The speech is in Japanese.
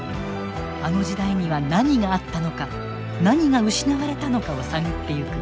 あの時代には何があったのか何が失われたのかを探ってゆく。